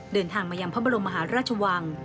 เดินทางมายังพระบรมมหาราชวัง